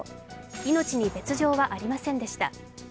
命に別状はありませんでした。